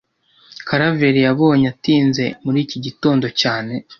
Karaveri yabonye atinze muri iki gitondo cyane